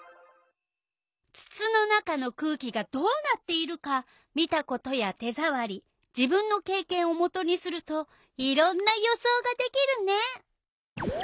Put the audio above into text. つつの中の空気がどうなっているか見たことや手ざわり自分のけいけんをもとにするといろんな予想ができるね。